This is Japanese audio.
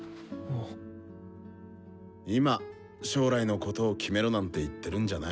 今将来のことを決めろなんて言ってるんじゃない。